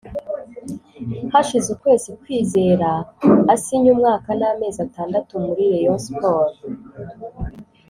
Hashize ukwezi Kwizera asinye umwaka n’amezi atandatu muri Rayon Sports